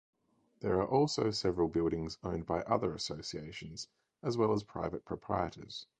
There are also several buildings owned by other associations as well as private proprietors.